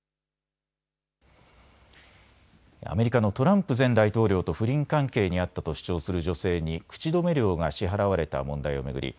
アメリカのトランプ前大統領と不倫関係にあったと主張する女性に口止め料が支払われた問題を巡り